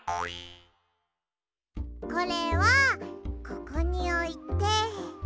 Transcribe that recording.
これはここにおいて。